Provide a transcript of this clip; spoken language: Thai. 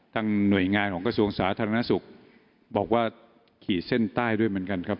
ทางหน่วยงานของกระทรวงศาสตร์ธรรมนาศุกร์บอกว่าขี่เส้นใต้ด้วยเหมือนกันครับ